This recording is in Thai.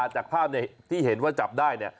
จากภาพที่เห็นว่าจับได้